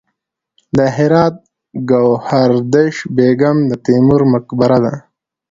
د هرات ګوهردش بیګم د تیموري مقبره ده